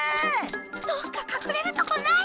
どっかかくれるとこない？